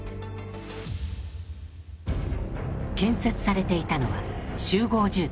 建設されていたのは集合住宅。